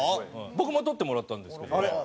僕も撮ってもらったんですけど。